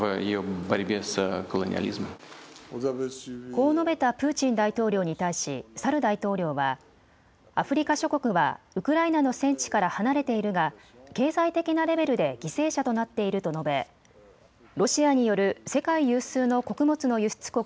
こう述べたプーチン大統領に対しサル大統領はアフリカ諸国はウクライナの戦地から離れているが経済的なレベルで犠牲者となっていると述べロシアによる世界有数の穀物の輸出国